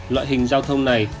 loại hình giao thông này